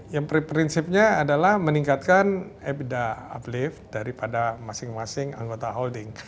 ya prinsipnya adalah meningkatkan ebida uplift daripada masing masing anggota holding